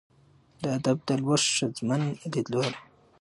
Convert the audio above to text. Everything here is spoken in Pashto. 'د ادب د لوست ښځمن ليدلورى